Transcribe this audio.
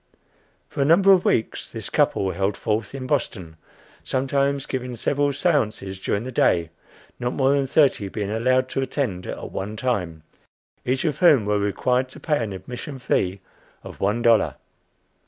For a number of weeks this couple held forth in Boston, sometimes giving several séances during the day, not more than thirty being allowed to attend at one time, each of whom were required to pay an admission fee of one dollar.